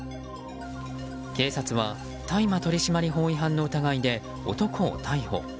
男は大麻取締法違反の疑いで男を逮捕。